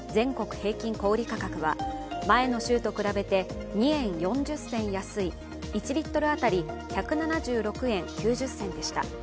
平均小売価格は前の週と比べて２円４０銭安い１リットル当たり、１７６円９０銭でした。